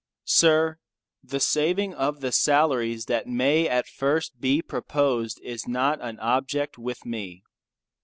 Sir, The saving of the salaries that may at first be proposed is not an object with me.